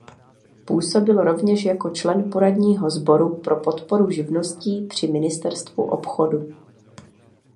Působil rovněž jako člen poradního sboru pro podporu živností při ministerstvu obchodu.